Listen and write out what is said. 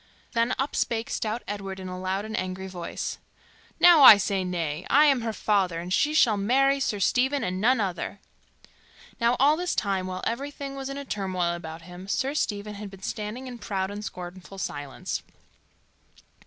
Then up spake stout Edward in a loud and angry voice, "Now I say nay! I am her father, and she shall marry Sir Stephen and none other." Now all this time, while everything was in turmoil about him, Sir Stephen had been standing in proud and scornful silence.